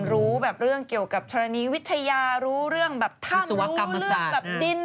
รู้เรื่องเกี่ยวกับธรรมนียวิทยารู้เรื่องถ้ำรู้เรื่องดิน